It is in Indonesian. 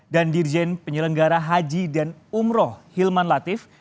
dan dirjen penyelenggara haji dan umroh hilman latif